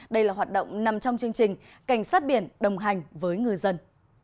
đây là hoạt động nằm trong chương trình cảnh sát biển đồng hành với ngư dân